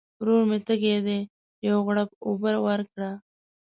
ورور مي تږی دی ، یو غوړپ اوبه ورکړه !